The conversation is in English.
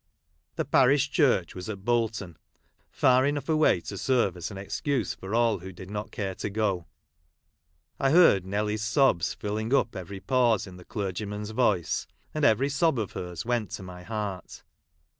The parish church was at Bolton, far enough away to serve as an excuse for all who did not care to go. I heard Nelly's filling up every pause in the clergyi,.,; voice; and every sob of hers went '.to my heart.